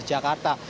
di daerah jakarta